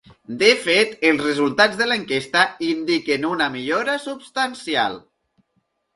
De fet, els resultats de l’enquesta indiquen una millora substancial.